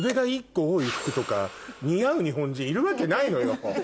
似合う日本人いるわけないのよ。